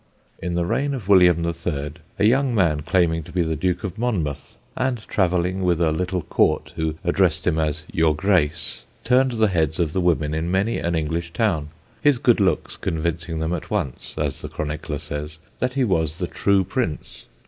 In the reign of William III. a young man claiming to be the Duke of Monmouth, and travelling with a little court who addressed him as "Your Grace," turned the heads of the women in many an English town his good looks convincing them at once, as the chronicler says, that he was the true prince.